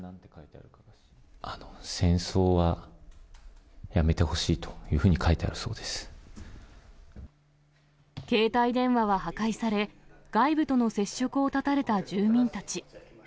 戦争はやめてほしいというふ携帯電話は破壊され、外部との接触を絶たれた住民たち。